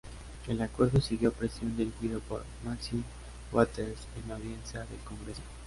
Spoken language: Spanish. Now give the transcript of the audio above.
El acuerdo siguió a presión dirigido por Maxine Waters en audiencia del Congreso.